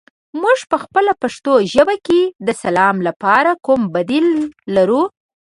موږ پخپله پښتو ژبه کې د سلام لپاره کوم بدیل لرو؟